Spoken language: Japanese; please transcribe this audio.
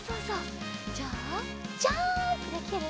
じゃあジャンプできる？